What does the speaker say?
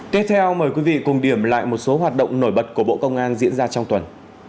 tiếp theo mời quý vị cùng điểm lại một số hoạt động nổi bật của bộ công an diễn ra trong tuần